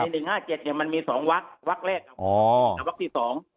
ใน๑๕๗เนี่ยมันมี๒วักวักแรกกับวักที่๒